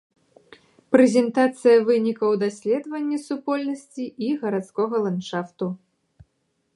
Прэзентацыя вынікаў даследавання супольнасці і гарадскога ландшафту.